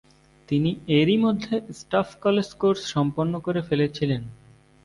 তিনি এরই মধ্যে স্টাফ কলেজ কোর্স সম্পন্ন করে ফেলেছিলেন।